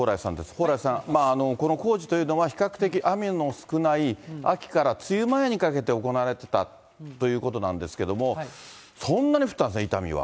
蓬莱さん、この工事というのは比較的雨の少ない秋から梅雨前にかけて行われてたということなんですけども、そんなに降ったんですね、伊丹は。